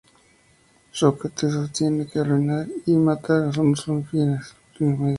Sócrates sostiene que arruinar y matar no son fines, sino medios.